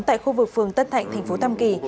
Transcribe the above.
tại khu vực phường tân thạnh tp tam kỳ